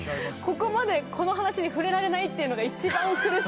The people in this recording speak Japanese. ここまでこの話に触れられないっていうのが一番苦しい時間でしたよ。